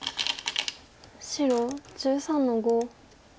白１３の五。